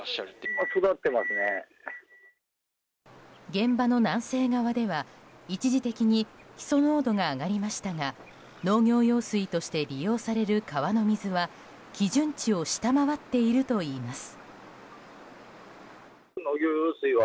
現場の南西側では、一時的にヒ素濃度が上がりましたが農業用水として利用される川の水は基準値を下回っているといいます。